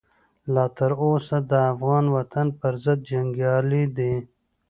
لا تر اوسه د افغان وطن پرضد جنګیالي دي.